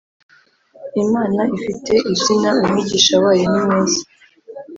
Imana ifite izina Umwigisha wayo nimwiza